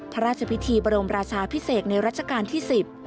พระราชพิธีบรมราชาพิเศษในรัชกาลที่๑๐